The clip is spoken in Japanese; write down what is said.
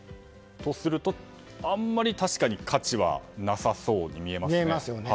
とすると、あんまり確かに価値はなさそうに見えますね。